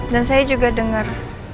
dan saya juga dengar